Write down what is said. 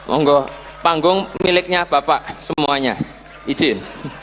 ongo panggung miliknya bapak semuanya izin